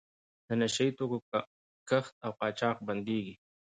د نشه یي توکو کښت او قاچاق بندیږي.